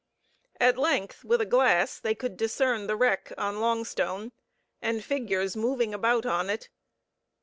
At length, with a glass they could discern the wreck on Longstone, and figures moving about on it.